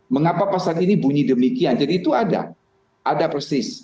mengapa pasal ini bunyi demikian jadi itu ada ada persis